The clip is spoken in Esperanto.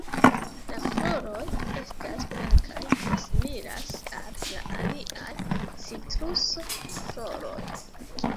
La floroj estas blankaj kaj similas al la aliaj "Citruso"-floroj.